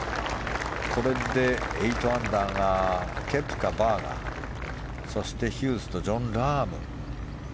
これで８アンダーがケプカ、バーガーそしてヒューズとジョン・ラーム。